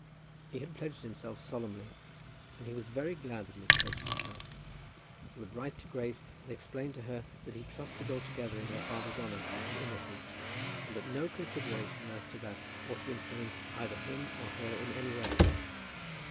He had pledged himself solemnly, and he was very glad that he had pledged himself. He would write to Grace and explain to her that he trusted altogether in her father's honour and innocence, but that no consideration as to that ought to influence either him or her in any way.